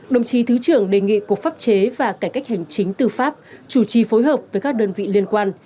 đồng chí thứ trưởng đề nghị cục pháp chế và cải cách hành chính tư pháp chủ trì phối hợp với các đơn vị liên quan